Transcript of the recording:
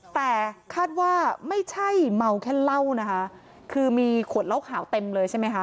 แต่คาดว่าไม่ใช่เมาแค่เหล้านะคะคือมีขวดเหล้าขาวเต็มเลยใช่ไหมคะ